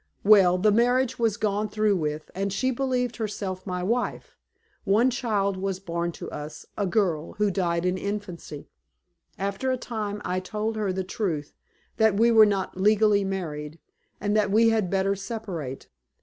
Well, the marriage was gone through with, and she believed herself my wife. One child was born to us a girl who died in infancy. After a time I told her the truth that we were not legally married, and that we had better separate.